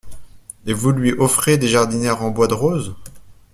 Et vous lui offrez des jardinières en bois de rose ?